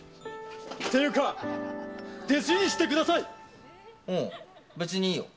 っていうか、弟子にしてくだおお、別にいいよ。